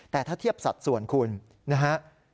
แต่ถ้าเทียบสัดส่วนคุณนะฮะ